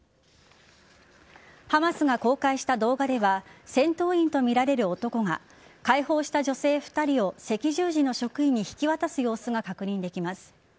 ハマスが公開した動画では戦闘員とみられる男が解放した女性２人を赤十字の職員に引き渡す様子が確認できます。